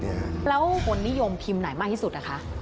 แล้วคนนิยมพิมพ์ไหนมากที่สุดอะคะ